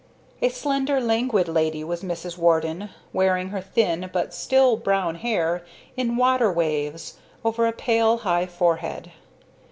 A slender, languid lady was Mrs. Warden, wearing her thin but still brown hair in "water waves" over a pale high forehead.